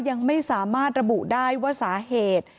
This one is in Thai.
ยังไม่สามารถระบุได้ว่าสาเหตุ